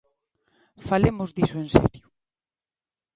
Falemos diso en serio.